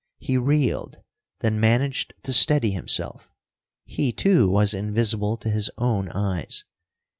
He reeled, then managed to steady himself. He, too, was invisible to his own eyes.